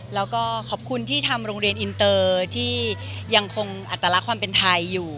แล้วก็ขอบคุณที่ทำโรงเรียนอินเตอร์ที่ยังคงอัตลักษณ์ความเป็นไทยอยู่